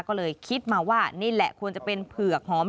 ก็เลยคิดมาว่านี่แหละควรจะเป็นเผือกหอม